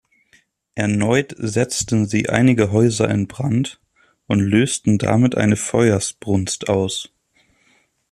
Erneut setzten sie einige Häuser in Brand und lösten damit eine Feuersbrunst aus.